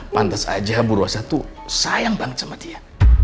pantes aja bu rosa tuh sayang banget sama dia